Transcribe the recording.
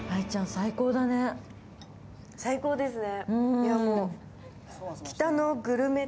最高ですね。